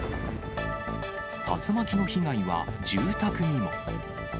竜巻の被害は住宅にも。